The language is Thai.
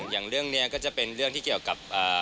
อย่างเรื่องนี้ก็จะเป็นเรื่องที่เกี่ยวกับ